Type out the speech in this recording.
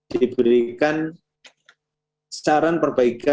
diberikan saran perbaikan